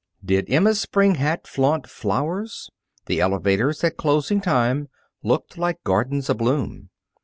Did Emma's spring hat flaunt flowers, the elevators, at closing time, looked like gardens abloom.